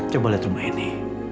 coba lihat rumah ini